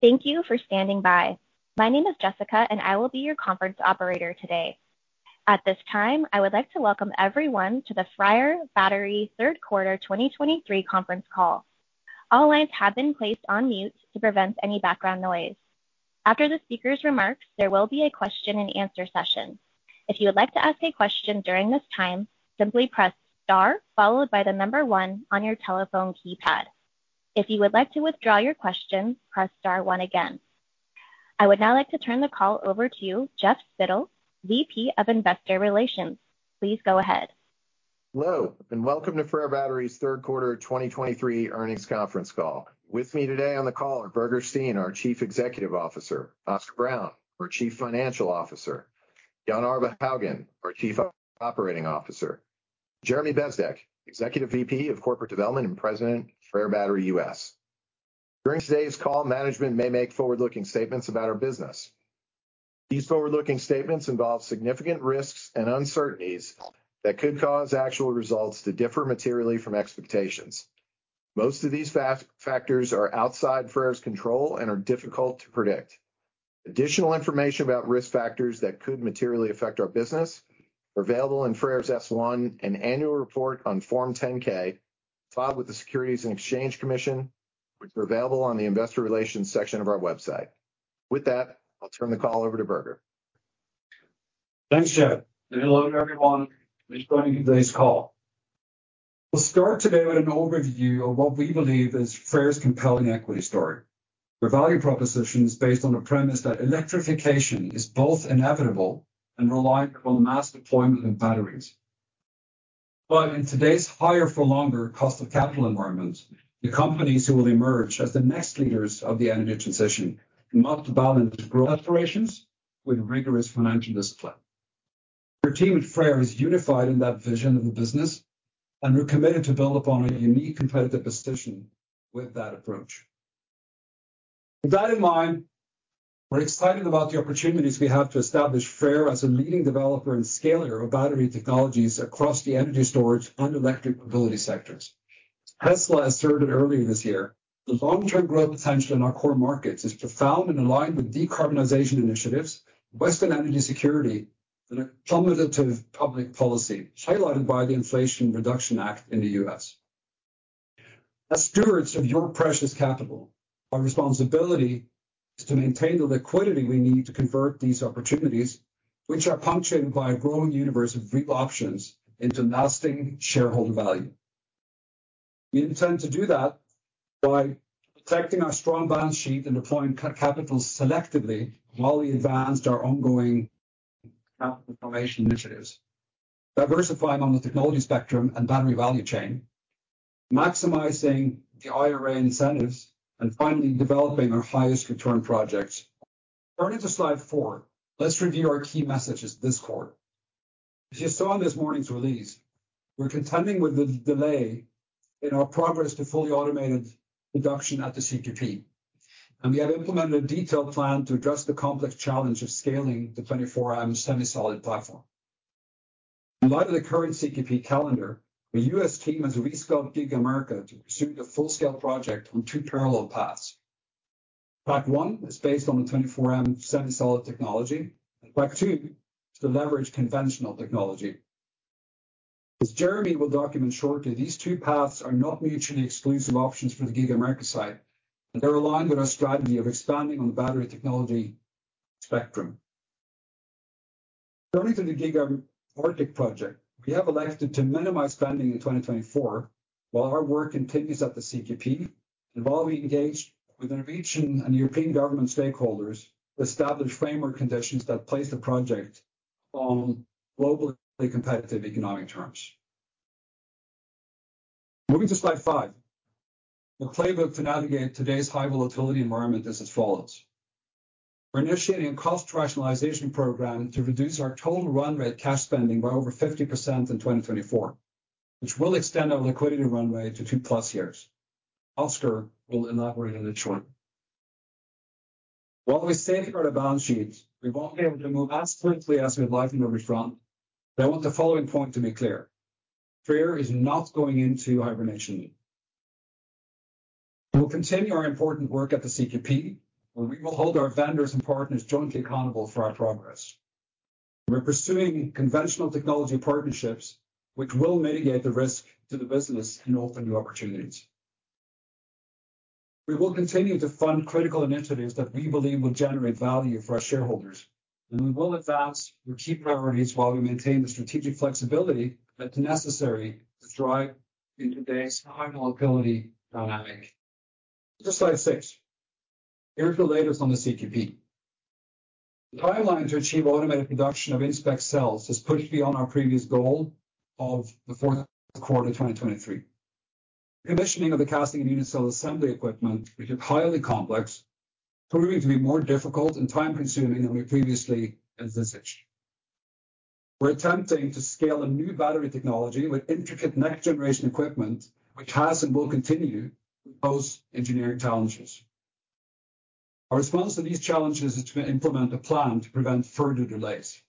Thank you for standing by. My name is Jessica, and I will be your conference operator today. At this time, I would like to welcome everyone to the FREYR Battery Q3 2023 conference call. All lines have been placed on mute to prevent any background noise. After the speaker's remarks, there will be a question and answer session. If you would like to ask a question during this time, simply press Star followed by the number one on your telephone keypad. If you would like to withdraw your question, press Star one again. I would now like to turn the call over to you, Jeff Spittel, VP of Investor Relations. Please go ahead. Hello, and welcome to FREYR Battery's Q3 2023 Earnings Conference Call. With me today on the call are Birger Steen, our Chief Executive Officer; Oscar Brown, our Chief Financial Officer; Jan Arve Haugan, our Chief Operating Officer; Jeremy Bezdek, Executive VP of Corporate Development and President, FREYR Battery, U.S. During today's call, management may make forward-looking statements about our business. These forward-looking statements involve significant risks and uncertainties that could cause actual results to differ materially from expectations. Most of these factors are outside FREYR's control and are difficult to predict. Additional information about risk factors that could materially affect our business are available in FREYR's S-1 and annual report on Form 10-K, filed with the Securities and Exchange Commission, which are available on the Investor Relations section of our website. With that, I'll turn the call over to Birger. Thanks, Jeff, and hello to everyone who's joining today's call. We'll start today with an overview of what we believe is FREYR's compelling equity story. The value proposition is based on the premise that electrification is both inevitable and reliant upon the mass deployment of batteries. But in today's higher for longer cost of capital environment, the companies who will emerge as the next leaders of the energy transition must balance growth operations with rigorous financial discipline. Our team at FREYR is unified in that vision of the business, and we're committed to build upon a unique competitive position with that approach. With that in mind, we're excited about the opportunities we have to establish FREYR as a leading developer and scaler of battery technologies across the energy storage and electric mobility sectors. Tesla has stated earlier this year, the long-term growth potential in our core markets is profound and aligned with decarbonization initiatives, Western energy security, and a cumulative public policy, highlighted by the Inflation Reduction Act in the U.S. As stewards of your precious capital, our responsibility is to maintain the liquidity we need to convert these opportunities, which are punctuated by a growing universe of real options into lasting shareholder value. We intend to do that by protecting our strong balance sheet and deploying capital selectively while we advanced our ongoing capital formation initiatives, diversifying on the technology spectrum and battery value chain, maximizing the IRA incentives, and finally developing our highest return projects. Turning to slide 4, let's review our key messages this quarter. As you saw in this morning's release, we're contending with the delay in our progress to fully automated production at the CQP, and we have implemented a detailed plan to address the complex challenge of scaling the 24M SemiSolid platform. In light of the current CQP calendar, the U.S. team has rescoped Giga America to pursue the full-scale project on two parallel paths. Track 1 is based on the 24M SemiSolid technology, and track 2 is to leverage conventional technology. As Jeremy will document shortly, these two paths are not mutually exclusive options for the Giga America site, and they're aligned with our strategy of expanding on the battery technology spectrum. Turning to the Giga Arctic project, we have elected to minimize spending in 2024 while our work continues at the CQP, and while we engage with innovation and European government stakeholders to establish framework conditions that place the project on globally competitive economic terms. Moving to slide 5. The playbook to navigate today's high volatility environment is as follows, we're initiating a cost rationalization program to reduce our total run rate cash spending by over 50% in 2024, which will extend our liquidity runway to 2+ years. Oscar will elaborate on it shortly. While we safeguard our balance sheets, we won't be able to move as quickly as we'd like in every front, but I want the following point to be clear, FREYR is not going into hibernation. We'll continue our important work at the CQP, where we will hold our vendors and partners jointly accountable for our progress. We're pursuing conventional technology partnerships, which will mitigate the risk to the business and open new opportunities. We will continue to fund critical initiatives that we believe will generate value for our shareholders, and we will advance our key priorities while we maintain the strategic flexibility that are necessary to thrive in today's high volatility dynamic. To slide 6. Here's the latest on the CQP. The timeline to achieve automated production of in-spec cells is pushed beyond our previous goal of the Q4 of 2023. Commissioning of the casting and unit cell assembly equipment, which is highly complex, proving to be more difficult and time-consuming than we previously envisaged. We're attempting to scale a new battery technology with intricate next-generation equipment, which has and will continue to pose engineering challenges. Our response to these challenges is to implement a plan to prevent further delays.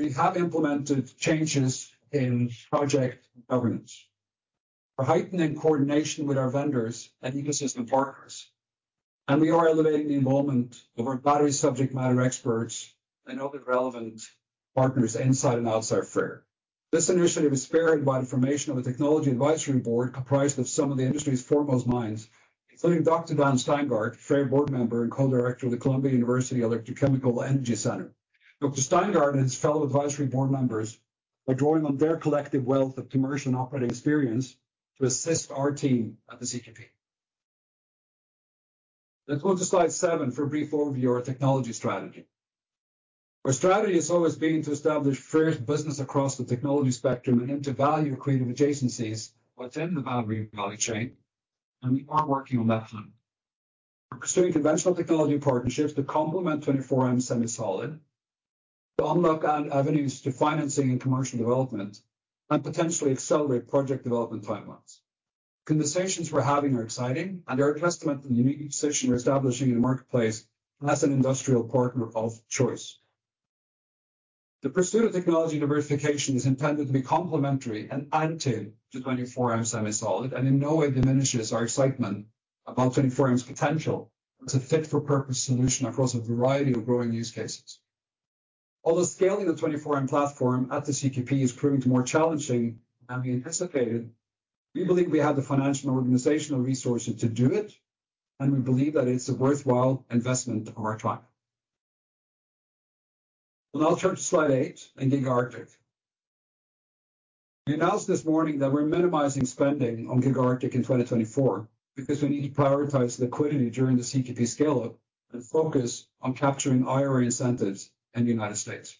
We have implemented changes in project governance. We're heightening coordination with our vendors and ecosystem partners, and we are elevating the involvement of our battery subject matter experts and other relevant partners inside and outside FREYR. This initiative is spearheaded by the formation of a Technology Advisory Board comprised of some of the industry's foremost minds, including Dr. Dan Steingart, FREYR board member and co-director of the Columbia University Electrochemical Energy Center. Dr. Steingart and his fellow advisory board members are drawing on their collective wealth of commercial and operating experience to assist our team at the CQP. Let's go to slide 7 for a brief overview of our Technology Strategy. Our strategy has always been to establish FREYR's business across the technology spectrum and into value-creative adjacencies within the battery value chain, and we are working on that front. We're pursuing conventional technology partnerships to complement 24M SemiSolid, to unlock avenues to financing and commercial development, and potentially accelerate project development timelines. Conversations we're having are exciting and are a testament to the unique position we're establishing in the marketplace as an industrial partner of choice. The pursuit of technology diversification is intended to be complementary and added to 24M SemiSolid, and in no way diminishes our excitement about 24M's potential as a fit-for-purpose solution across a variety of growing use cases. Although scaling the 24M platform at the CQP is proving to more challenging than we anticipated, we believe we have the financial and organizational resources to do it, and we believe that it's a worthwhile investment of our time. We'll now turn to slide 8 in Giga Arctic. We announced this morning that we're minimizing spending on Giga Arctic in 2024 because we need to prioritize liquidity during the CQP scale-up and focus on capturing IRA incentives in the United States.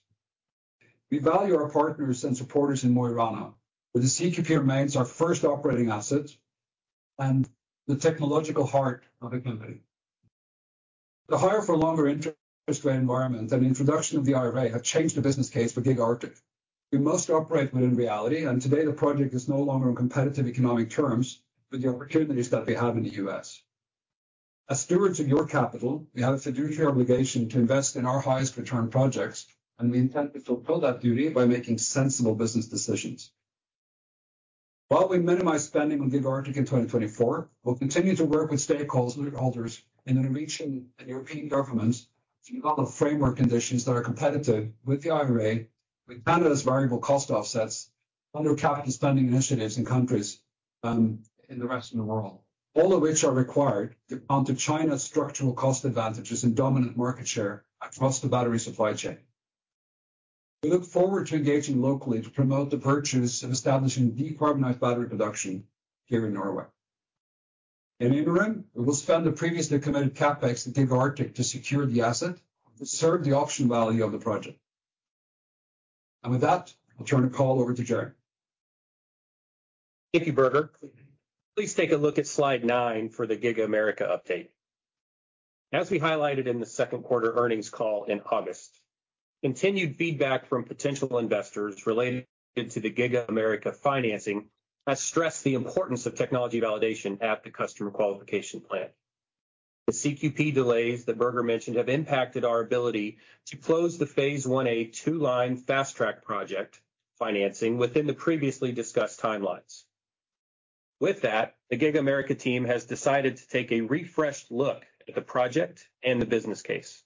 We value our partners and supporters in Mo i Rana, where the CQP remains our first operating asset and the technological heart of the company. The higher for longer interest rate environment and introduction of the IRA have changed the business case for Giga Arctic. We must operate within reality, and today the project is no longer on competitive economic terms with the opportunities that we have in the U.S. As stewards of your capital, we have a fiduciary obligation to invest in our highest return projects, and we intend to fulfill that duty by making sensible business decisions. While we minimize spending on Giga Arctic in 2024, we'll continue to work with stakeholders and the Norwegian and European governments to develop framework conditions that are competitive with the IRA, with Canada's variable cost offsets, other capital spending initiatives in countries, in the rest of the world. All of which are required to counter China's structural cost advantages and dominant market share across the battery supply chain. We look forward to engaging locally to promote the virtues of establishing decarbonized battery production here in Norway. In interim, we will spend the previously committed CapEx at Giga Arctic to secure the asset to serve the option value of the project. And with that, I'll turn the call over to Jeremy. Thank you, Birger. Please take a look at slide 9 for the Giga America update. As we highlighted in the Q2 earnings call in August, continued feedback from potential investors related to the Giga America financing has stressed the importance of technology validation at the Customer Qualification Plant. The CQP delays that Birger mentioned have impacted our ability to close the Phase IA 2-line fast-track project financing within the previously discussed timelines. With that, the Giga America team has decided to take a refreshed look at the project and the business case.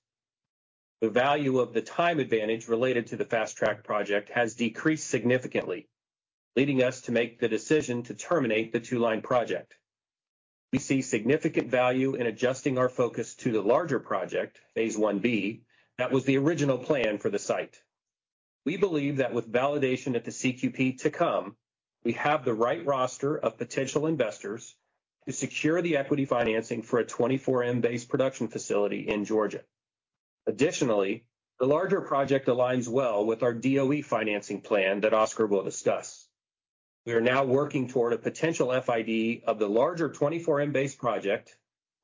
The value of the time advantage related to the fast-track project has decreased significantly, leading us to make the decision to terminate the 2-line project. We see significant value in adjusting our focus to the larger project, Phase IB, that was the original plan for the site. We believe that with validation at the CQP to come, we have the right roster of potential investors to secure the equity financing for a 24M-based production facility in Georgia. Additionally, the larger project aligns well with our DOE financing plan that Oscar will discuss. We are now working toward a potential FID of the larger 24M-based project,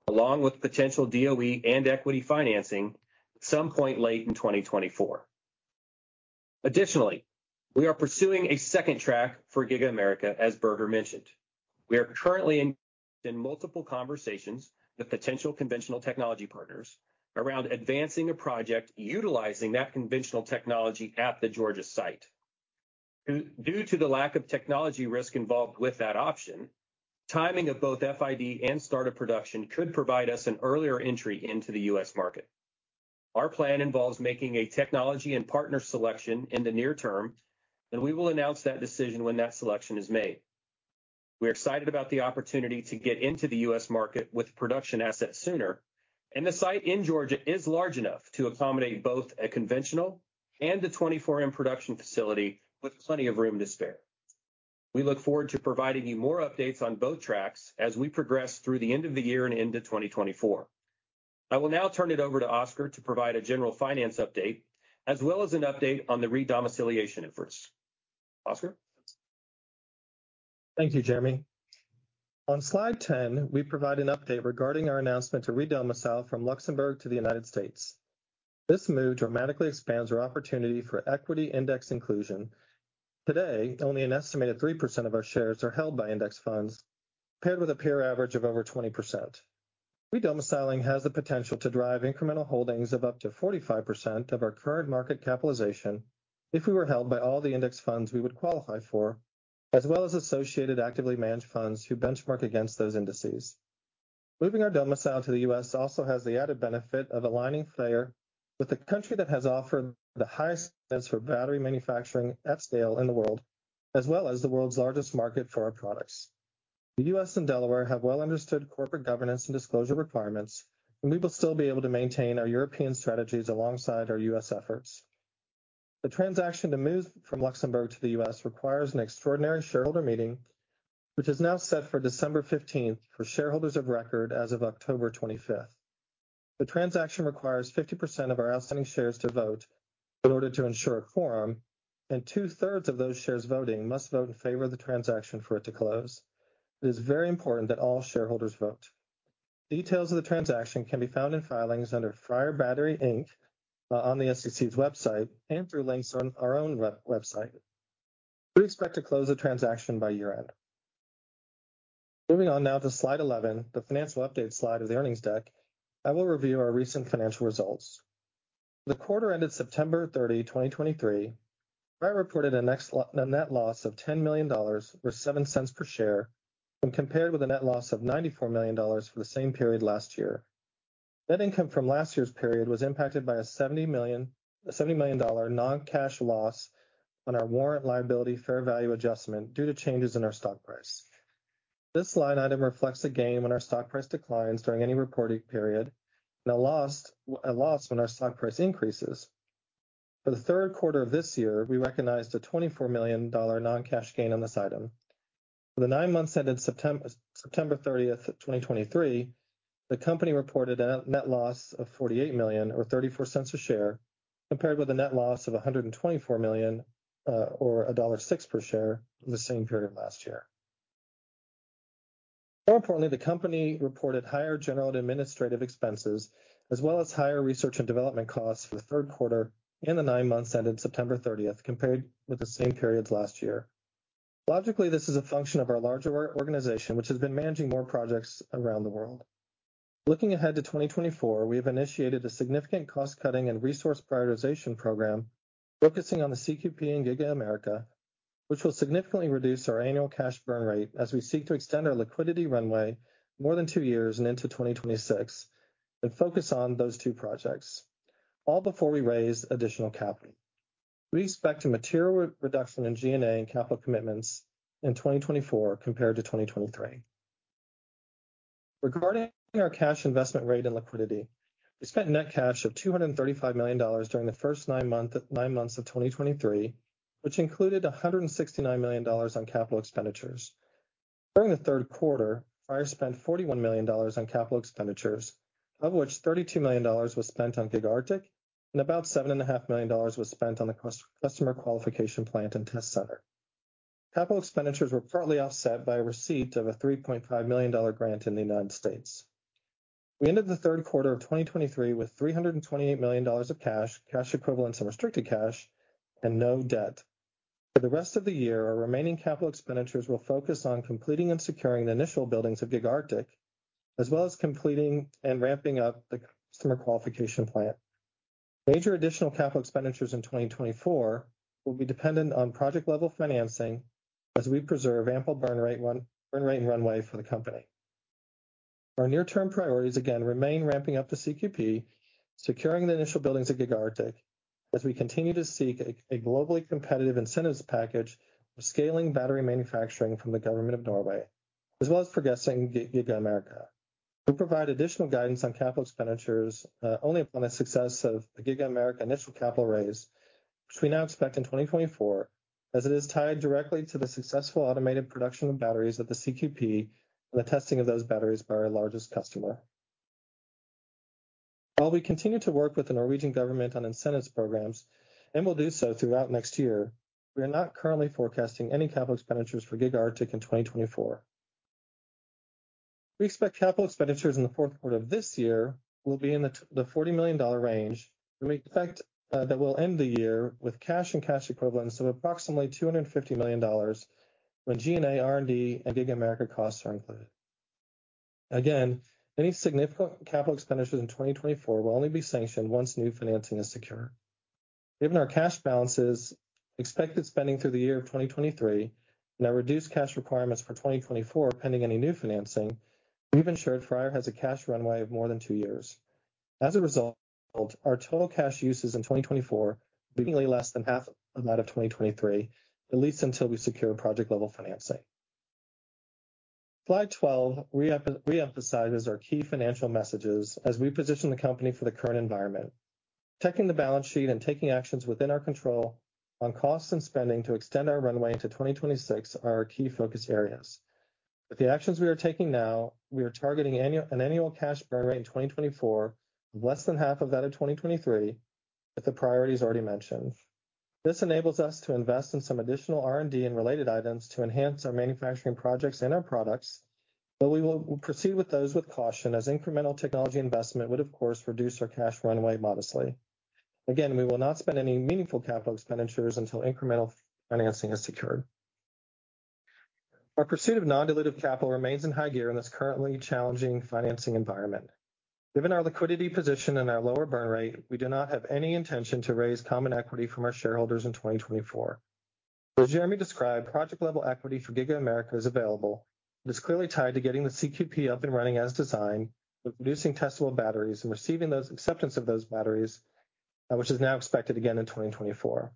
along with potential DOE and equity financing, sometime late in 2024. Additionally, we are pursuing a second track for Giga America, as Birger mentioned. We are currently in multiple conversations with potential conventional technology partners around advancing a project utilizing that conventional technology at the Georgia site. Due to the lack of technology risk involved with that option, timing of both FID and start of production could provide us an earlier entry into the U.S. market. Our plan involves making a technology and partner selection in the near term, and we will announce that decision when that selection is made. We're excited about the opportunity to get into the U.S. market with production assets sooner, and the site in Georgia is large enough to accommodate both a conventional and a 24M Production Facility, with plenty of room to spare. We look forward to providing you more updates on both tracks as we progress through the end of the year and into 2024. I will now turn it over to Oscar to provide a general finance update, as well as an update on the re-domiciliation efforts. Oscar? Thank you, Jeremy. On slide 10, we provide an update regarding our announcement to redomicile from Luxembourg to the United States. This move dramatically expands our opportunity for equity index inclusion. Today, only an estimated 3% of our shares are held by index funds, paired with a peer average of over 20%. Re-domiciling has the potential to drive incremental holdings of up to 45% of our current market capitalization if we were held by all the index funds we would qualify for, as well as associated actively managed funds who benchmark against those indices. Moving our domicile to the U.S. also has the added benefit of aligning FREYR with the country that has offered the highest bids for battery manufacturing at scale in the world, as well as the world's largest market for our products. The U.S. and Delaware have well understood corporate governance and disclosure requirements, and we will still be able to maintain our European strategies alongside our U.S. efforts. The transaction to move from Luxembourg to the U.S. requires an extraordinary shareholder meeting, which is now set for December 15th, for shareholders of record as of October 25th. The transaction requires 50% of our outstanding shares to vote in order to ensure a quorum, and two-thirds of those shares voting must vote in favor of the transaction for it to close. It is very important that all shareholders vote. Details of the transaction can be found in filings under FREYR Battery Inc on the SEC's website and through links on our own website. We expect to close the transaction by year-end. Moving on now to slide 11, the financial update slide of the earnings deck, I will review our recent financial results. The quarter ended September 30, 2023, FREYR reported a net loss of $10 million, or $0.07 per share, when compared with a net loss of $94 million for the same period last year. Net income from last year's period was impacted by a $70 million, a $70 million non-cash loss on our warrant liability fair value adjustment due to changes in our stock price. This line item reflects a gain when our stock price declines during any reporting period, and a lost, a loss when our stock price increases. For the Q3 of this year, we recognized a $24 million non-cash gain on this item. For the nine months ended September 30, 2023, the company reported a net, net loss of $48 million or $0.34 per share, compared with a net loss of $124 million or $1.06 per share in the same period last year. More importantly, the company reported higher general administrative expenses, as well as higher research and development costs for the Q3 and the nine months ended September 30th, compared with the same periods last year. Logically, this is a function of our larger organization, which has been managing more projects around the world. Looking ahead to 2024, we have initiated a significant cost-cutting and resource prioritization program focusing on the CQP and Giga America, which will significantly reduce our annual cash burn rate as we seek to extend our liquidity runway more than two years and into 2026, and focus on those two projects, all before we raise additional capital. We expect a material reduction in G&A and capital commitments in 2024 compared to 2023. Regarding our cash investment rate and liquidity, we spent net cash of $235 million during the first nine months of 2023, which included $169 million on capital expenditures. During the Q3, FREYR spent $41 million on capital expenditures, of which $32 million was spent on Giga Arctic, and about $7.5 million was spent on the customer qualification plant and test center. Capital expenditures were partly offset by a receipt of a $3.5 million grant in the United States. We ended the Q3 of 2023 with $328 million of cash, cash equivalents, and restricted cash, and no debt. For the rest of the year, our remaining capital expenditures will focus on completing and securing the initial buildings of Giga Arctic, as well as completing and ramping up the customer qualification plant. Major additional capital expenditures in 2024 will be dependent on project-level financing as we preserve ample burn rate run, burn rate and runway for the company. Our near-term priorities again remain ramping up the CQP, securing the initial buildings at Giga Arctic, as we continue to seek a globally competitive incentives package for scaling battery manufacturing from the government of Norway, as well as for Giga America. We'll provide additional guidance on capital expenditures only upon the success of the Giga America initial capital raise, which we now expect in 2024, as it is tied directly to the successful automated production of batteries at the CQP and the testing of those batteries by our largest customer. While we continue to work with the Norwegian government on incentives programs, and will do so throughout next year, we are not currently forecasting any capital expenditures for Giga Arctic in 2024. We expect capital expenditures in the Q4 of this year will be in the $40 million range, and we expect that we'll end the year with cash and cash equivalents of approximately $250 million when G&A, R&D, and Giga America costs are included. Again, any significant capital expenditures in 2024 will only be sanctioned once new financing is secure. Given our cash balances, expected spending through the year of 2023, and our reduced cash requirements for 2024, pending any new financing, we've ensured FREYR has a cash runway of more than 2 years. As a result, our total cash uses in 2024 will be less than half of that of 2023, at least until we secure project-level financing. Slide 12 reemphasizes our key financial messages as we position the company for the current environment. Checking the balance sheet and taking actions within our control on costs and spending to extend our runway to 2026 are our key focus areas. With the actions we are taking now, we are targeting annual- an annual cash burn rate in 2024, less than half of that of 2023, with the priorities already mentioned. This enables us to invest in some additional R&D and related items to enhance our manufacturing projects and our products, but we will proceed with those with caution, as incremental technology investment would, of course, reduce our cash runway modestly. Again, we will not spend any meaningful capital expenditures until incremental financing is secured. Our pursuit of non-dilutive capital remains in high gear in this currently challenging financing environment. Given our liquidity position and our lower burn rate, we do not have any intention to raise common equity from our shareholders in 2024. As Jeremy described, project-level equity for Giga America is available, and it's clearly tied to getting the CQP up and running as designed, with producing testable batteries and receiving those acceptance of those batteries, which is now expected again in 2024.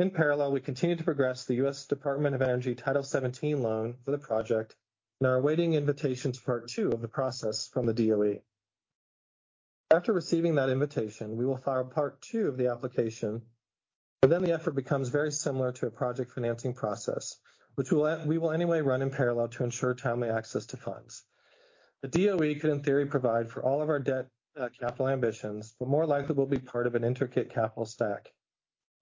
In parallel, we continue to progress the U.S. Department of Energy Title 17 loan for the project and are awaiting invitation to part 2 of the process from the DOE. After receiving that invitation, we will file part 2 of the application, but then the effort becomes very similar to a project financing process, which we will, we will anyway run in parallel to ensure timely access to funds. The DOE could, in theory, provide for all of our debt, capital ambitions, but more likely will be part of an intricate capital stack.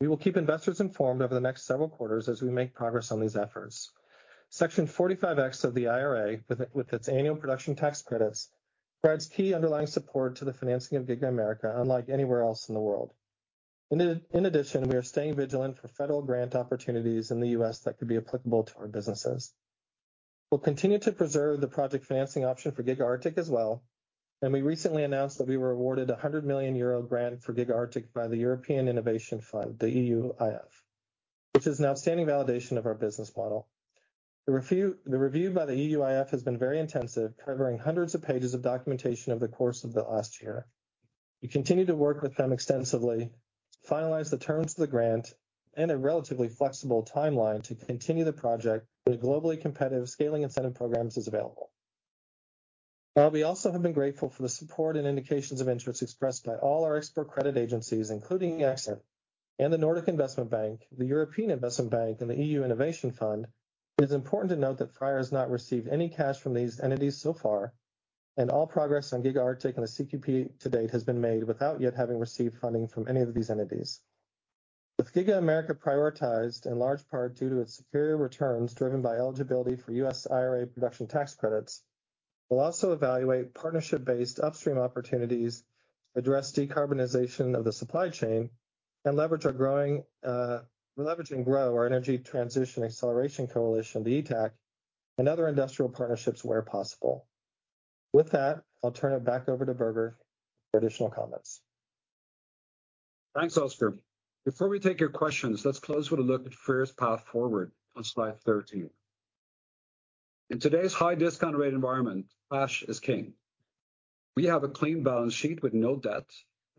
We will keep investors informed over the next several quarters as we make progress on these efforts. Section 45X of the IRA, with its annual production tax credits, provides key underlying support to the financing of Giga America, unlike anywhere else in the world. In addition, we are staying vigilant for federal grant opportunities in the U.S. that could be applicable to our businesses. We'll continue to preserve the project financing option for Giga Arctic as well, and we recently announced that we were awarded a 100 million euro grant for Giga Arctic by the European Innovation Fund, the EUIF, which is an outstanding validation of our business model. The review by the EUIF has been very intensive, covering hundreds of pages of documentation over the course of the last year. We continue to work with them extensively, finalize the terms of the grant and a relatively flexible timeline to continue the project with globally competitive scaling incentive programs is available. While we also have been grateful for the support and indications of interest expressed by all our export credit agencies, including Eksfin and the Nordic Investment Bank, the European Investment Bank, and the EU Innovation Fund, it is important to note that FREYR has not received any cash from these entities so far, and all progress on Giga Arctic and the CQP to date has been made without yet having received funding from any of these entities. With Giga America prioritized, in large part due to its superior returns, driven by eligibility for U.S. IRA production tax credits, we'll also evaluate partnership-based upstream opportunities, address decarbonization of the supply chain, and leverage our growing- Leverage and grow our Energy Transition Acceleration Coalition, the ETAC, and other industrial partnerships where possible. With that, I'll turn it back over to Birger for additional comments. Thanks, Oscar. Before we take your questions, let's close with a look at FREYR's path forward on slide 13. In today's high discount rate environment, cash is king. We have a clean balance sheet with no debt,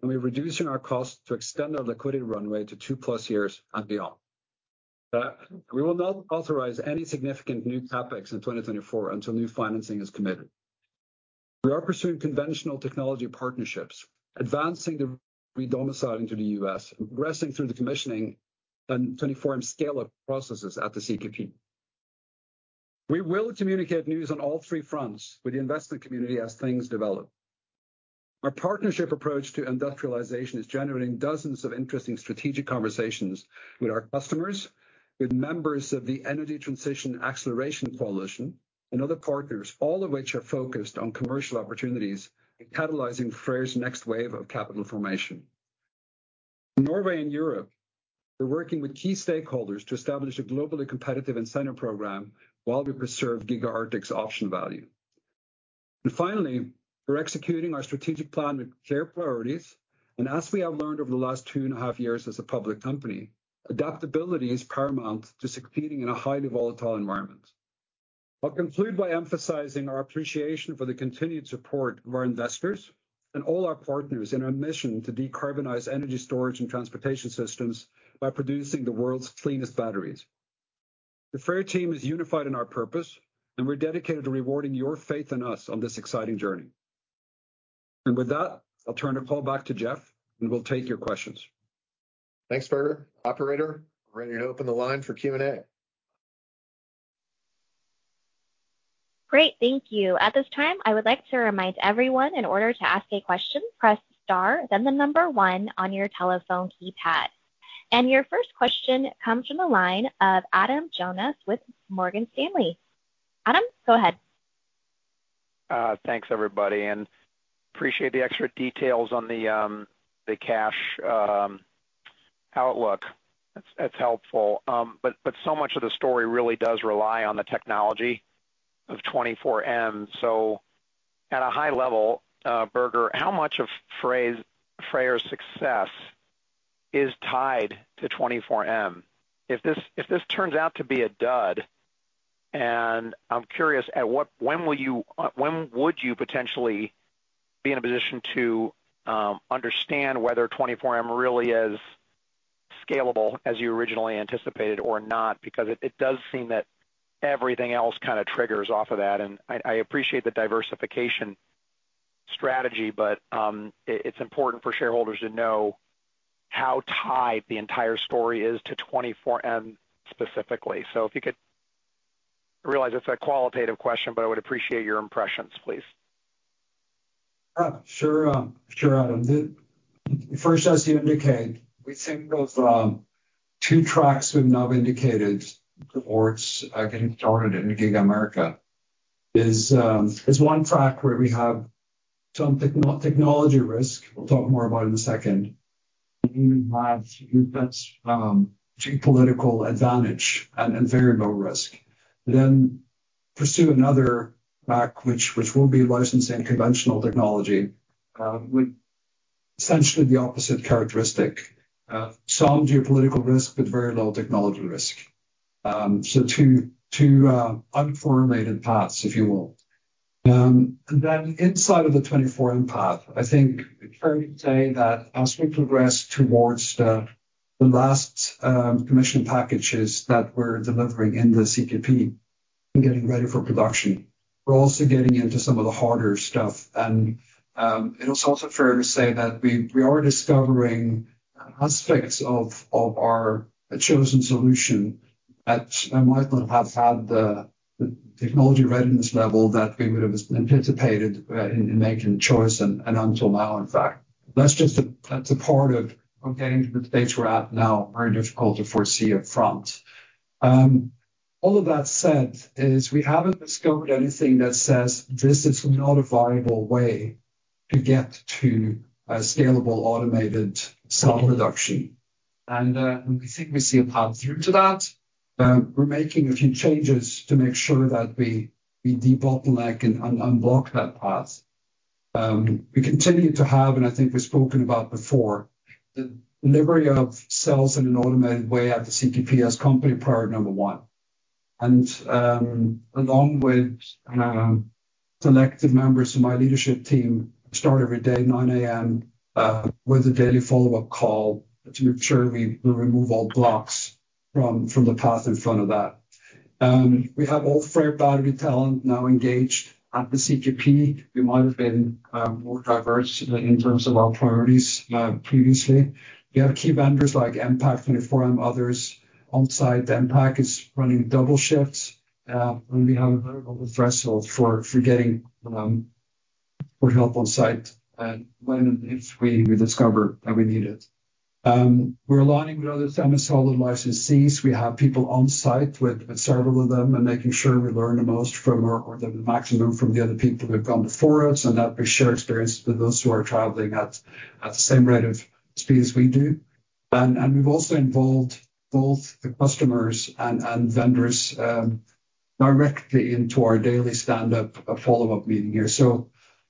and we're reducing our costs to extend our liquidity runway to 2+ years and beyond. We will not authorize any significant new CapEx in 2024 until new financing is committed. We are pursuing conventional technology partnerships, advancing the redomiciling to the U.S., progressing through the commissioning and 2024 scale-up processes at the CQP. We will communicate news on all three fronts with the investment community as things develop. Our partnership approach to industrialization is generating dozens of interesting strategic conversations with our customers, with members of the Energy Transition Acceleration Coalition, and other partners, all of which are focused on commercial opportunities and catalyzing FREYR's next wave of capital formation. In Norway and Europe, we're working with key stakeholders to establish a globally competitive incentive program while we preserve Giga Arctic's option value. Finally, we're executing our strategic plan with clear priorities, and as we have learned over the last two and a half years as a public company, adaptability is paramount to succeeding in a highly volatile environment. I'll conclude by emphasizing our appreciation for the continued support of our investors and all our partners in our mission to decarbonize energy storage and transportation systems by producing the world's cleanest batteries. The FREYR team is unified in our purpose, and we're dedicated to rewarding your faith in us on this exciting journey. With that, I'll turn the call back to Jeff, and we'll take your questions. Thanks, Birger. Operator, we're ready to open the line for Q&A. Great, thank you. At this time, I would like to remind everyone, in order to ask a question, press star, then one on your telephone keypad. Your first question comes from the line of Adam Jonas with Morgan Stanley. Adam, go ahead. Thanks, everybody, and appreciate the extra details on the cash outlook. That's helpful. But so much of the story really does rely on the technology of 24M. At a high level, Birger, how much of FREYR's success is tied to 24M? If this turns out to be a dud? I'm curious, when would you potentially be in a position to understand whether 24M really is scalable as you originally anticipated or not? Because it does seem that everything else kind of triggers off of that. I appreciate the diversification strategy, but it is important for shareholders to know how tied the entire story is to 24M specifically. If you could- I realize it's a qualitative question, but I would appreciate your impressions, please. Sure, Adam. First, as you indicate, we think those two tracks we've now indicated towards getting started in Giga America is one track where we have some technology risk. We'll talk more about it in a second. And even have that geopolitical advantage and very low risk. Then pursue another track, which will be licensed in conventional technology with essentially the opposite characteristic. Some geopolitical risk, but very low technology risk. So two unformulated paths, if you will. And then inside of the 24M path, I think it's fair to say that as we progress towards the last commission packages that we're delivering in the CQP and getting ready for production, we're also getting into some of the harder stuff. It is also fair to say that we are discovering aspects of our chosen solution that might not have had the technology readiness level that we would have anticipated in making choice and until now, in fact. That's just a part of getting to the stage we're at now, very difficult to foresee up front. All of that said, is we haven't scoped anything that says this is not a viable way to get to a scalable, automated cell production. And, we think we see a path through to that. We're making a few changes to make sure that we debottleneck and unblock that path. We continue to have, and I think we've spoken about before, the delivery of cells in an automated way at the CQP as company priority number one. Along with selective members of my leadership team start every day at 9:00 A.M. with a daily follow-up call to make sure we remove all blocks from the path in front of that. We have all FREYR Battery talent now engaged at the CQP. We might have been more diverse in terms of our priorities previously. We have key vendors like Mpac, 24M, others on site. Mpac is running double shifts, and we have a very open threshold for getting help on site and when and if we discover that we need it. We're aligning with other MSL licensees. We have people on site with several of them, and making sure we learn the most from the maximum from the other people who have gone before us, and that we share experiences with those who are traveling at the same rate of speed as we do. We've also involved both the customers and vendors directly into our daily stand-up, a follow-up meeting here.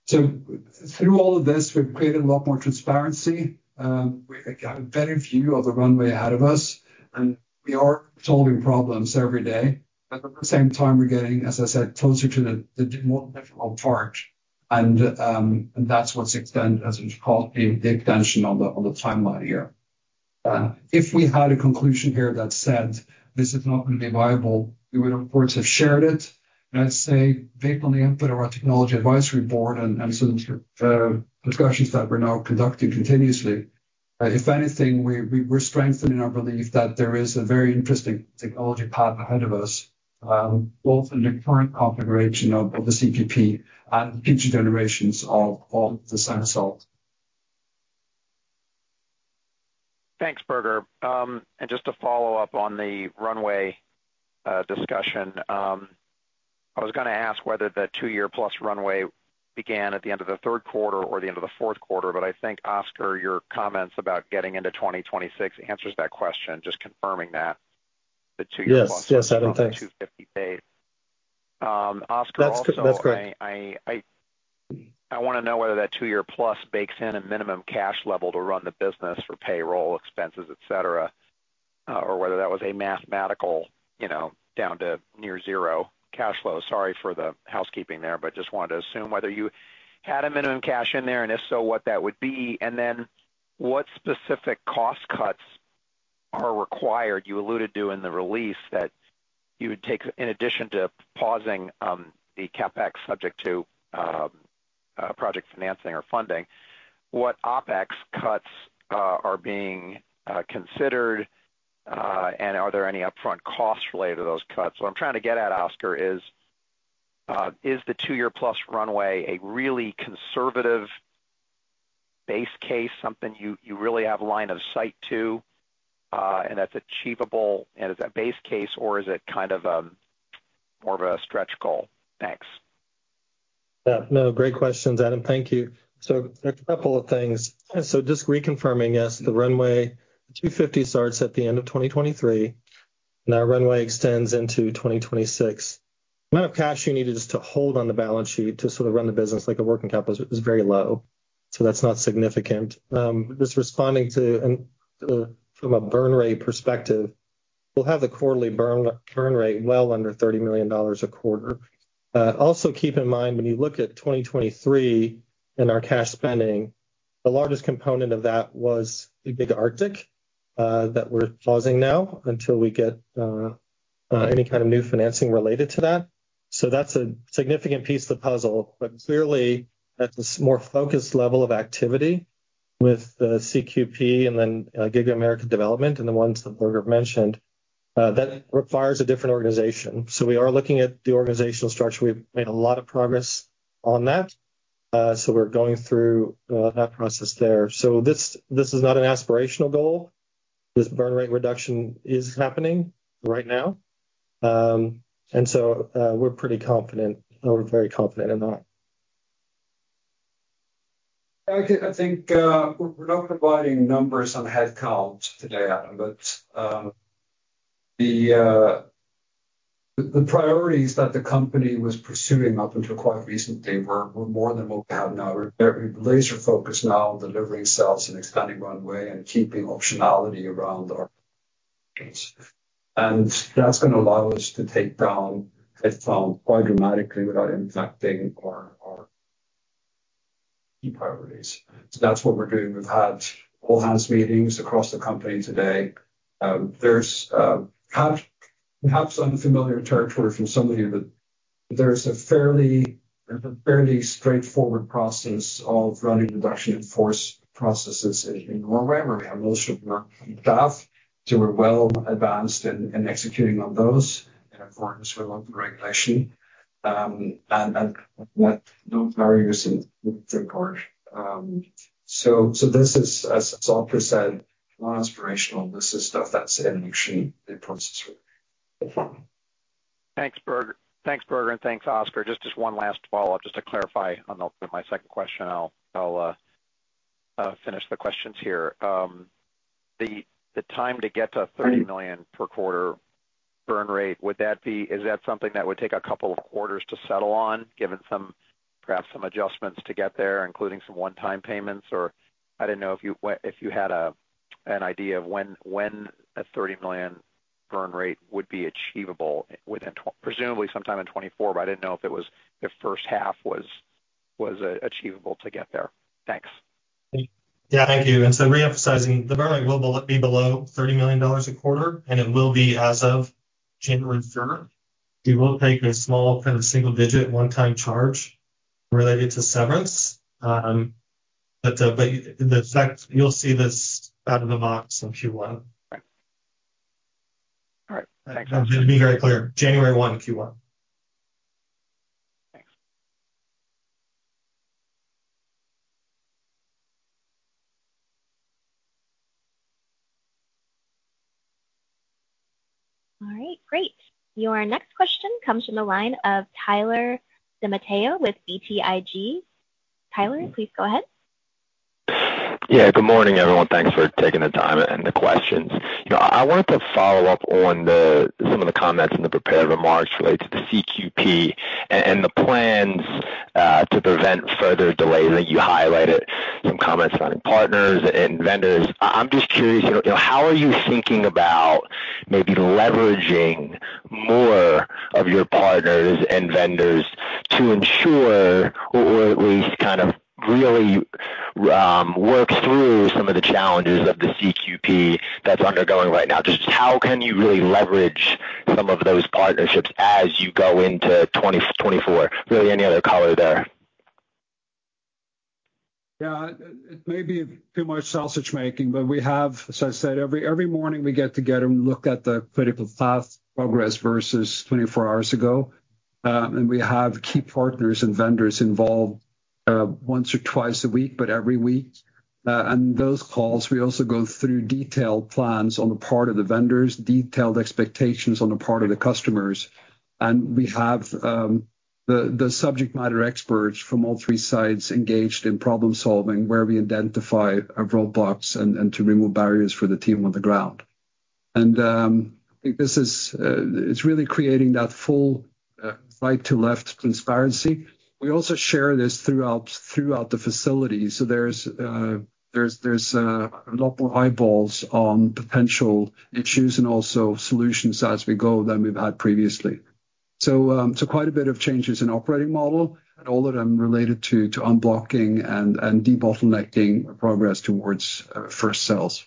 Through all of this, we've created a lot more transparency. We've got a better view of the runway ahead of us, and we are solving problems every day. But at the same time, we're getting, as I said, closer to the more difficult part, and that's what's extended, as it's called, the extension on the timeline here. If we had a conclusion here that said this is not going to be viable, we would, of course, have shared it, and I'd say based on the input of our technology advisory board and some discussions that we're now conducting continuously. If anything, we're strengthening our belief that there is a very interesting technology path ahead of us, both in the current configuration of the CQP and future generations of the same cell. Thanks, Birger. And just to follow up on the runway discussion, I was gonna ask whether the 2-year+ runway began at the end of the Q3 or the end of the Q4, but I think, Oscar, your comments about getting into 2026 answers that question, just confirming that the 2 year- Yes. Yes, Adam, thanks. 250 base. Oscar, also- That's, that's correct. I want to know whether that 2-year+ bakes in a minimum cash level to run the business for payroll expenses, et cetera, or whether that was a mathematical, you know, down to near zero cash flow. Sorry for the housekeeping there, but just wanted to assume whether you had a minimum cash in there, and if so, what that would be. And then, what specific cost cuts are required? You alluded to in the release that you would take, in addition to pausing, the CapEx, subject to, project financing or funding, what OpEx cuts are being considered, and are there any upfront costs related to those cuts? What I'm trying to get at, Oscar, is the 2-year+ runway a really conservative base case, something you really have line of sight to, and that's achievable? Is that base case, or is it kind of a more of a stretch goal? Thanks. Yeah. No, great questions, Adam. Thank you. So a couple of things. So just reconfirming, yes, the runway $250 starts at the end of 2023, and our runway extends into 2026. The amount of cash you needed just to hold on the balance sheet to sort of run the business like a working capital is very low, so that's not significant. Just responding to, and, from a burn rate perspective, we'll have the quarterly burn rate well under $30 million a quarter. Also keep in mind, when you look at 2023 and our cash spending, the largest component of that was the Giga Arctic that we're pausing now until we get any kind of new financing related to that. So that's a significant piece of the puzzle, but clearly, that's a more focused level of activity with the CQP and then Giga America development and the ones that Birger mentioned, that requires a different organization. So we are looking at the organizational structure. We've made a lot of progress on that, so we're going through that process there. So this is not an aspirational goal. This burn rate reduction is happening right now. And so, we're pretty confident. We're very confident in that. I think we're not providing numbers on headcounts today, Adam, but the priorities that the company was pursuing up until quite recently were more than what we have now. We're very laser focused now on delivering cells and expanding runway and keeping optionality around our. And that's going to allow us to take down headcount quite dramatically without impacting our key priorities. So that's what we're doing. We've had all-hands meetings across the company today. There's perhaps unfamiliar territory for some of you, but there's a fairly straightforward process of running reduction in force processes in Norway, where we have most of our staff. So we're well advanced in executing on those in accordance with local regulation, and with no barriers in report. So, this is, as Oscar said, not inspirational. This is stuff that's in machine, in process. Thanks, Birger. Thanks, Birger, and thanks, Oscar. Just one last follow-up, just to clarify on my second question, I'll finish the questions here. The time to get to $30 million per quarter burn rate, would that be. Is that something that would take a couple of quarters to settle on, given some perhaps adjustments to get there, including some one-time payments? Or I didn't know if you had an idea of when a $30 million burn rate would be achievable within 2024, presumably sometime in 2024, but I didn't know if it was the first half was achievable to get there. Thanks. Yeah, thank you. So reemphasizing, the burn rate will be below $30 million a quarter, and it will be as of January 3rd. We will take a small, kind of, single-digit, one-time charge related to severance. But the effect, you'll see this out of the box in Q1. Right. All right. To be very clear, January 1, Q1. Thanks. All right, great. Your next question comes from the line of Tyler DiMatteo with BTIG. Tyler, please go ahead. Yeah, good morning, everyone. Thanks for taking the time and the questions. You know, I wanted to follow up on some of the comments in the prepared remarks related to the CQP and the plans to prevent further delays, that you highlighted some comments from partners and vendors. I'm just curious, you know, how are you thinking about maybe leveraging more of your partners and vendors to ensure, or at least kind of really work through some of the challenges of the CQP that's undergoing right now? Just how can you really leverage some of those partnerships as you go into 2024? Really, any other color there? Yeah, it may be too much sausage making, but we have, as I said, every morning we get together and look at the critical path progress versus 24 hours ago. And we have key partners and vendors involved once or twice a week, but every week. And those calls, we also go through detailed plans on the part of the vendors, detailed expectations on the part of the customers. And we have the subject matter experts from all three sides engaged in problem-solving, where we identify roadblocks and to remove barriers for the team on the ground. And I think this is, it's really creating that full right to left transparency. We also share this throughout the facility. So there's a lot more eyeballs on potential issues and also solutions as we go than we've had previously. So quite a bit of changes in operating model, and all of them related to unblocking and debottlenecking progress towards first cells.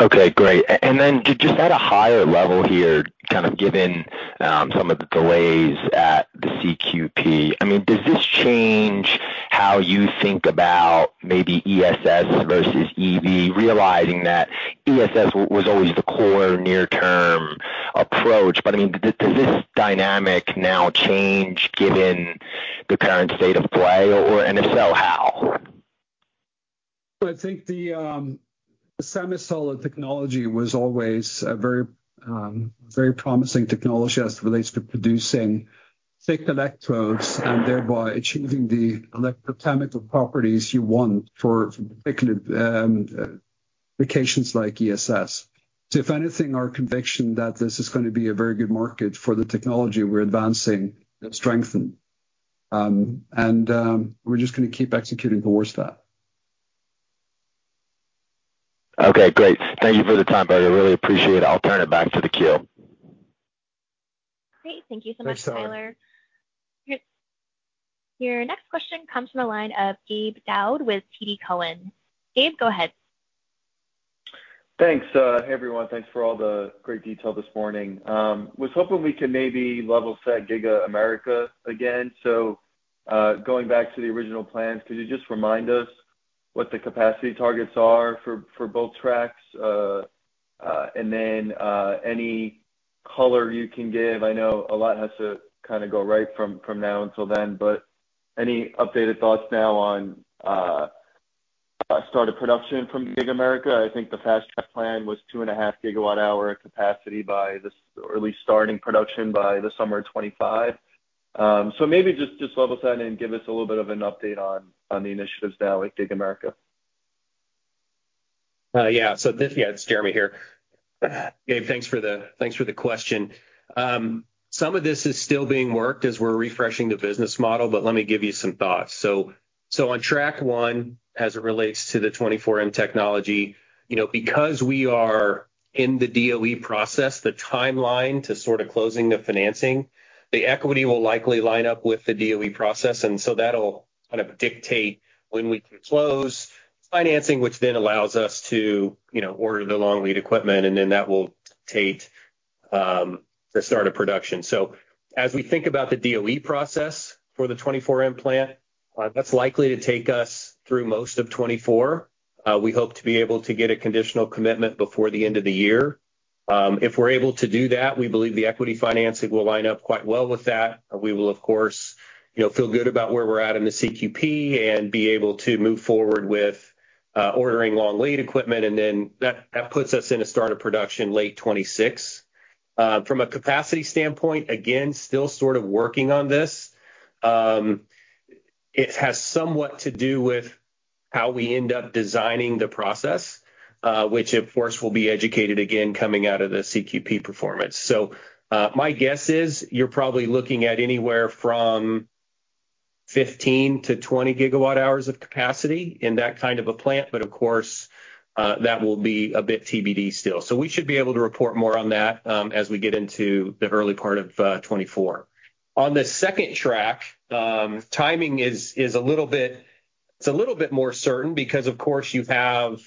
Okay, great. And then just at a higher level here, kind of, given some of the delays at the CQP, I mean, does this change how you think about maybe ESS versus EV, realizing that ESS was always the core near-term approach? But, I mean, does this dynamic now change given the current state of play, or, and if so, how? I think the SemiSolid technology was always a very very promising technology as it relates to producing thick electrodes and thereby achieving the electrochemical properties you want for particular locations like ESS. So if anything, our conviction that this is going to be a very good market for the technology we're advancing has strengthened. And we're just going to keep executing towards that. Okay, great. Thank you for the time, Birger. Really appreciate it. I'll turn it back to the queue. Great. Thank you so much, Tyler. Thanks, Tyler. Your next question comes from the line of Gabe Daoud with TD Cowen. Gabe, go ahead. Thanks, hey, everyone. Thanks for all the great detail this morning. Was hoping we could maybe level set Giga America again. So, going back to the original plans, could you just remind us what the capacity targets are for both tracks? And then, any color you can give, I know a lot has to kind of go right from now until then, but any updated thoughts now on start of production from Giga America. I think the fast track plan was 2.5 GWh capacity by this, or at least starting production by the summer of 2025. So maybe just level set and give us a little bit of an update on the initiatives now with Giga America. Yeah. So this, yeah, it's Jeremy here. Gabe, thanks for the, thanks for the question. Some of this is still being worked as we're refreshing the business model, but let me give you some thoughts. So, so on track 1, as it relates to the 24M technology, you know, because we are in the DOE process, the timeline to sort of closing the financing, the equity will likely line up with the DOE process. And so that'll kind of dictate when we can close financing, which then allows us to, you know, order the long lead equipment, and then that will take the start of production. So as we think about the DOE process for the 24M plant, that's likely to take us through most of 2024. We hope to be able to get a conditional commitment before the end of the year. If we're able to do that, we believe the equity financing will line up quite well with that. We will, of course, you know, feel good about where we're at in the CQP and be able to move forward with ordering long lead equipment, and then that puts us in a start of production late 2026. From a capacity standpoint, again, still sort of working on this. It has somewhat to do with how we end up designing the process, which, of course, will be educated again, coming out of the CQP performance. So, my guess is you're probably looking at anywhere from 15 GWh-20 GWh of capacity in that kind of a plant, but of course, that will be a bit TBD still. So we should be able to report more on that as we get into the early part of 2024. On the second track, timing is a little bit more certain because, of course, you have,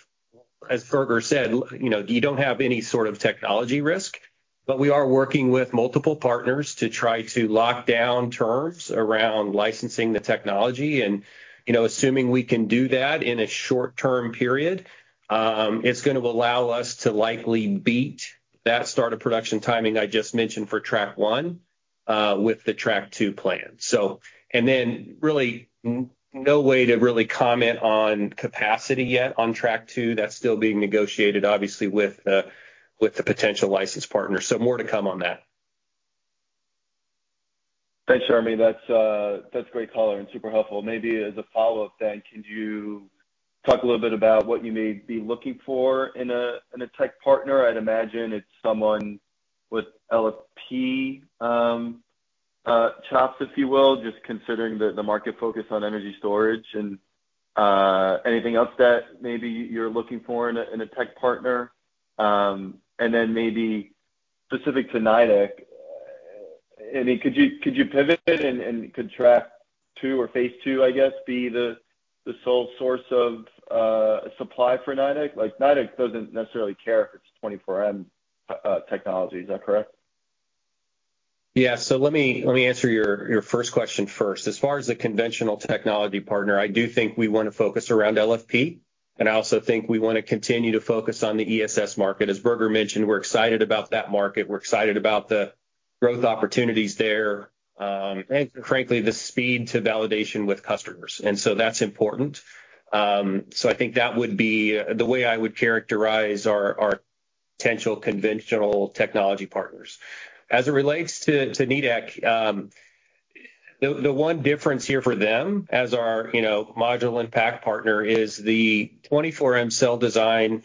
as Birger said, you know, you don't have any sort of technology risk. But we are working with multiple partners to try to lock down terms around licensing the technology. And, you know, assuming we can do that in a short-term period, it's gonna allow us to likely beat that start of production timing I just mentioned for track 1 with the track 2 plan. And then, really, no way to really comment on capacity yet on track 2. That's still being negotiated, obviously, with the potential license partner. So more to come on that. Thanks, Jeremy. That's, that's a great color and super helpful. Maybe as a follow-up then, can you talk a little bit about what you may be looking for in a, in a tech partner? I'd imagine it's someone with LFP, chops, if you will, just considering the, the market focus on energy storage and, anything else that maybe you're looking for in a, in a tech partner? And then maybe specific to Nidec, I mean, could you, could you pivot and, and could track 2 or Phase II, I guess, be the, the sole source of, supply for Nidec? Like, Nidec doesn't necessarily care if it's 24M, technology. Is that correct? Yeah. So let me, let me answer your, your first question first. As far as the conventional technology partner, I do think we want to focus around LFP, and I also think we want to continue to focus on the ESS market. As Birger mentioned, we're excited about that market. We're excited about the growth opportunities there, and frankly, the speed to validation with customers. And so that's important. So I think that would be the way I would characterize our, our potential conventional technology partners. As it relates to, to Nidec, the, the one difference here for them as our, you know, module and pack partner, is the 24M cell design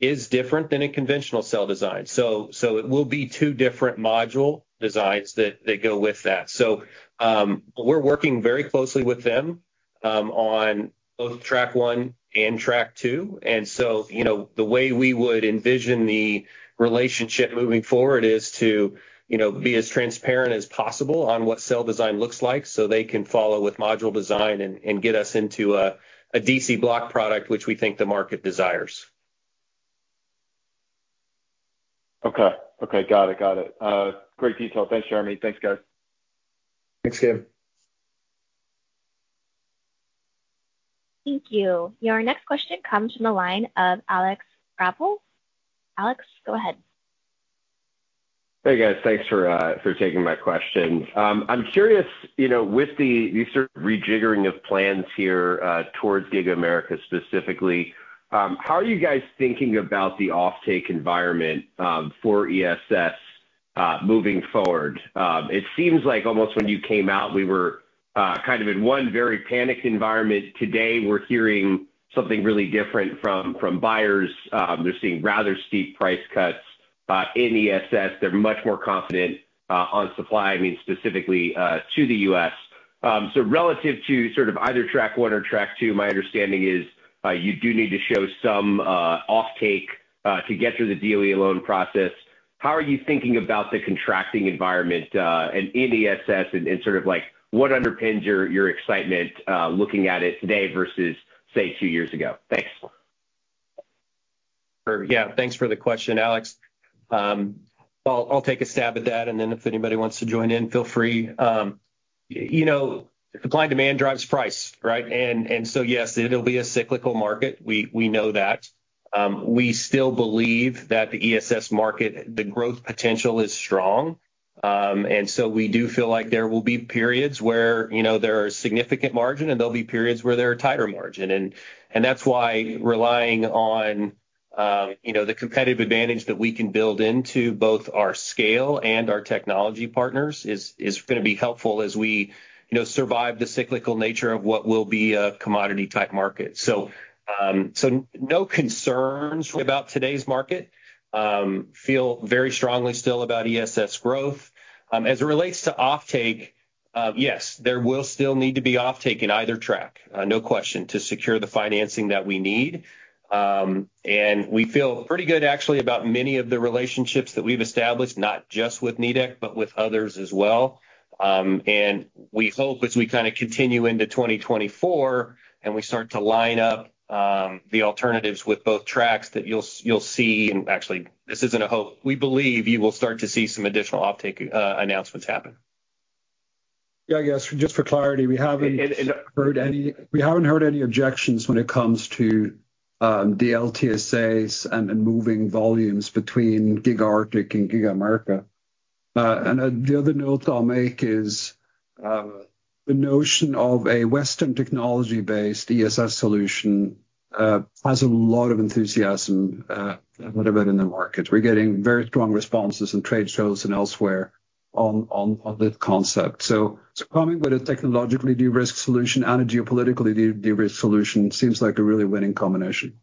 is different than a conventional cell design. So, so it will be two different module designs that, that go with that. So, we're working very closely with them, on both track 1 and track 2. And so, you know, the way we would envision the relationship moving forward is to, you know, be as transparent as possible on what cell design looks like, so they can follow with module design and, and get us into a DC Block product, which we think the market desires. Okay. Okay. Got it, got it. Great detail. Thanks, Jeremy. Thanks, guys. Thanks, Gabe. Thank you. Your next question comes from the line of Alex Vrabel. Alex, go ahead. Hey, guys. Thanks for taking my question. I'm curious, you know, with the sort of rejiggering of plans here towards Giga America specifically, how are you guys thinking about the offtake environment for ESS moving forward? It seems like almost when you came out, we were kind of in one very panicked environment. Today, we're hearing something really different from buyers. They're seeing rather steep price cuts in ESS. They're much more confident on supply, I mean, specifically to the U.S. So relative to sort of either track 1 or track 2, my understanding is you do need to show some offtake to get through the DOE loan process. How are you thinking about the contracting environment, and in ESS, sort of like, what underpins your excitement, looking at it today versus, say, two years ago? Thanks. Sure. Yeah, thanks for the question, Alex. I'll take a stab at that, and then if anybody wants to join in, feel free. You know, supply and demand drives price, right? And so, yes, it'll be a cyclical market. We know that. We still believe that the ESS market, the growth potential is strong. And so we do feel like there will be periods where, you know, there are significant margin, and there'll be periods where there are tighter margin. And that's why relying on, you know, the competitive advantage that we can build into both our scale and our technology partners is gonna be helpful as we, you know, survive the cyclical nature of what will be a commodity-type market. So, so no concerns about today's market. Feel very strongly still about ESS growth. As it relates to offtake, yes, there will still need to be offtake in either track, no question, to secure the financing that we need. And we feel pretty good, actually, about many of the relationships that we've established, not just with Nidec, but with others as well. And we hope as we kind of continue into 2024, and we start to line up the alternatives with both tracks, that you'll, you'll see, and actually, this isn't a hope. We believe you will start to see some additional offtake announcements happen. Yeah, I guess just for clarity, we haven't heard any objections when it comes to the LTSAs and moving volumes between Giga Arctic and Giga America. And the other note I'll make is the notion of a Western technology-based ESS solution has a lot of enthusiasm about it in the market. We're getting very strong responses in trade shows and elsewhere on this concept. So coming with a technologically de-risked solution and a geopolitically de-risked solution seems like a really winning combination.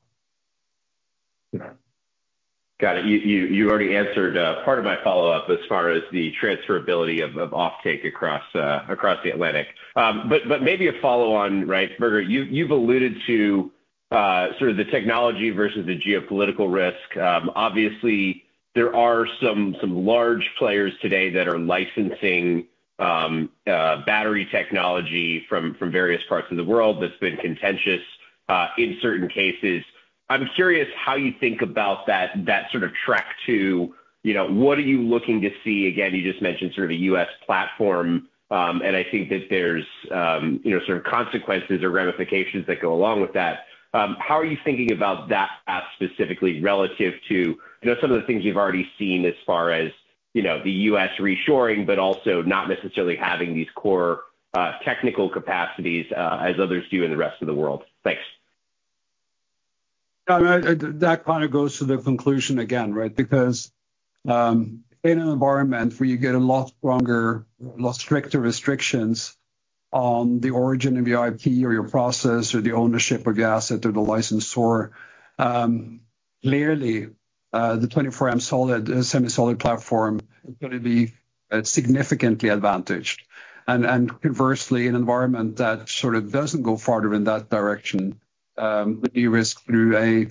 Got it. You already answered part of my follow-up as far as the transferability of offtake across the Atlantic. But maybe a follow on, right, Birger, you've alluded to sort of the technology versus the geopolitical risk. Obviously, there are some large players today that are licensing battery technology from various parts of the world that's been contentious in certain cases. I'm curious how you think about that sort of track 2, you know, what are you looking to see? Again, you just mentioned sort of a U.S. platform, and I think that there's you know sort of consequences or ramifications that go along with that. How are you thinking about that specifically relative to, I know some of the things you've already seen as far as, you know, the U.S. reshoring, but also not necessarily having these core technical capacities as others do in the rest of the world? Thanks. Yeah, that kind of goes to the conclusion again, right? Because in an environment where you get a lot stronger, a lot stricter restrictions on the origin of your IP or your process or the ownership of the asset or the licensor, clearly the 24M SemiSolid platform is gonna be significantly advantaged. And conversely, an environment that sort of doesn't go farther in that direction, the de-risk through a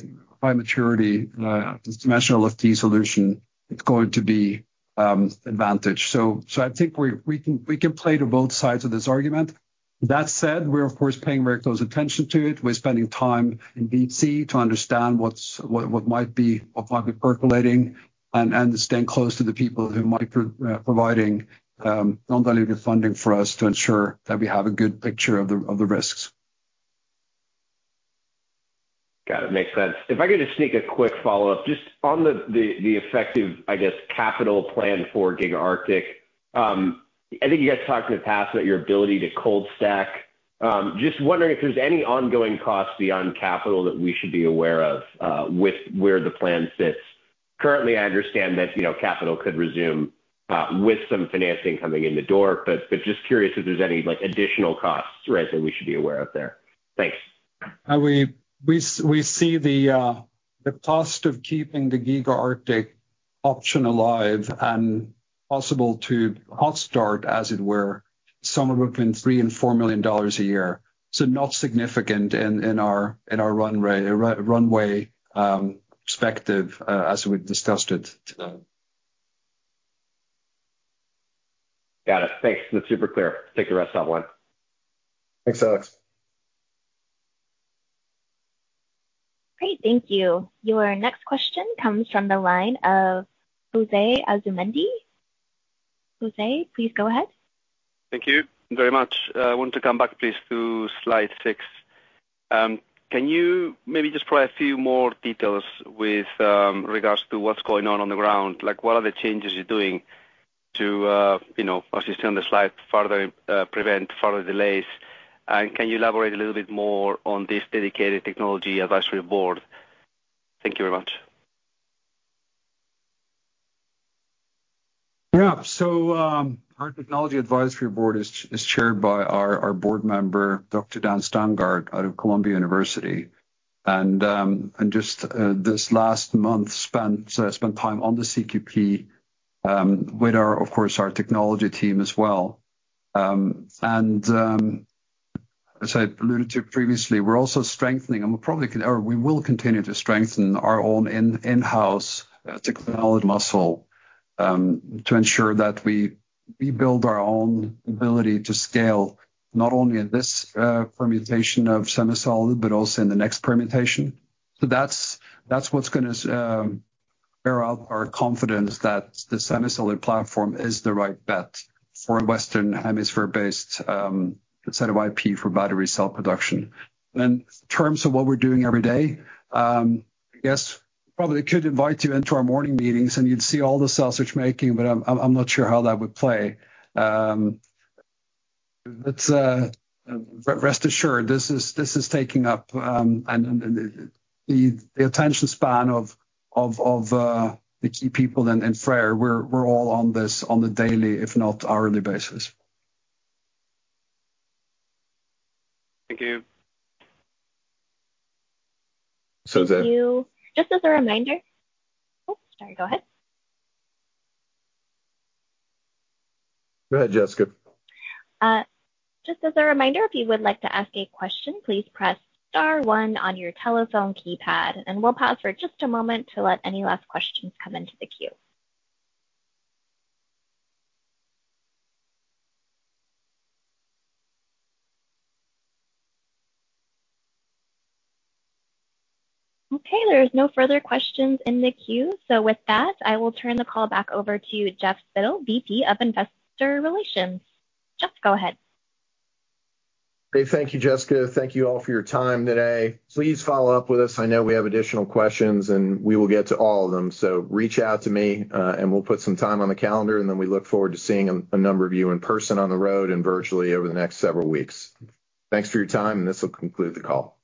high maturity convectional LFP solution, it's going to be advantaged. So I think we can play to both sides of this argument. That said, we're of course paying very close attention to it. We're spending time in D.C. to understand what might be percolating, and staying close to the people who might be providing non-dilutive funding for us to ensure that we have a good picture of the risks. Got it. Makes sense. If I could just sneak a quick follow-up, just on the effective, I guess, capital plan for Giga Arctic. I think you guys talked in the past about your ability to cold stack. Just wondering if there's any ongoing costs beyond capital that we should be aware of, with where the plan sits. Currently, I understand that, you know, capital could resume, with some financing coming in the door, but just curious if there's any, like, additional costs, right, that we should be aware of there. Thanks. We see the cost of keeping the Giga Arctic option alive and possible to hot start, as it were, somewhere between $3 million and $4 million a year. So not significant in our runway perspective, as we've discussed it today. Got it. Thanks. That's super clear. Take the rest online. Thanks, Alex. Great, thank you. Your next question comes from the line of José Asumendi. José, please go ahead. Thank you very much. I want to come back, please, to slide 6. Can you maybe just provide a few more details with, regards to what's going on on the ground? Like, what are the changes you're doing to, you know, as you say on the slide, to further, prevent further delays? And can you elaborate a little bit more on this dedicated technology advisory board? Thank you very much. Yeah. So, our technology advisory board is chaired by our board member, Dr. Dan Steingart, out of Columbia University. And just this last month, spent time on the CQP with our, 6of course, our technology team as well. And as I alluded to previously, we're also strengthening, or we will continue to strengthen our own in-house technology muscle to ensure that we build our own ability to scale not only in this permutation of SemiSolid, but also in the next permutation. So that's what's gonna bear out our confidence that the SemiSolid platform is the right bet for a Western Hemisphere-based set of IP for battery cell production. Then, in terms of what we're doing every day, I guess probably could invite you into our morning meetings, and you'd see all the sausage-making, but I'm not sure how that would play. But rest assured, this is taking up the attention span of the key people in FREYR. We're all on this on a daily, if not hourly, basis. Thank you. José- Thank you. Just as a reminder- Oh, sorry, go ahead. Go ahead, Jessica. Just as a reminder, if you would like to ask a question, please press star one on your telephone keypad, and we'll pause for just a moment to let any last questions come into the queue. Okay, there is no further questions in the queue. So with that, I will turn the call back over to Jeff Spittel, VP of Investor Relations. Jeff, go ahead. Great. Thank you, Jessica. Thank you all for your time today. Please follow up with us. I know we have additional questions, and we will get to all of them. So reach out to me, and we'll put some time on the calendar, and then we look forward to seeing a number of you in person on the road and virtually over the next several weeks. Thanks for your time, and this will conclude the call.